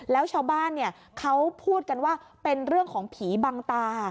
แล้วชาวบ้านเขาพูดกันว่าเป็นเรื่องของผีบังตา